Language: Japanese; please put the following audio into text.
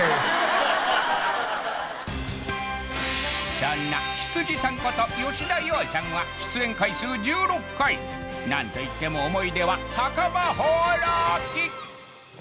そんな羊さんこと吉田羊さんは出演回数１６回なんといっても思い出は酒場放浪記